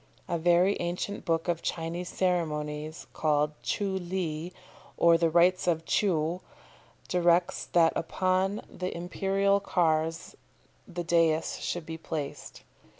A very ancient book of Chinese ceremonies, called "Tcheou Li, or The Rites of Tcheou," directs that upon the imperial cars the dais should be placed.